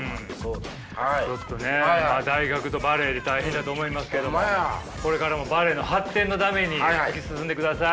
ちょっとね大学とバレエで大変だと思いますけどもこれからもバレエの発展のために突き進んでください。